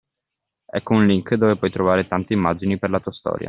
Ecco un link dove puoi trovare tante immagini per la tua storia.